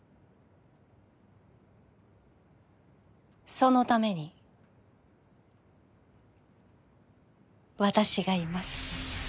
そのために私がいます